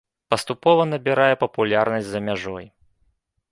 Паступова набірае папулярнасць за мяжой.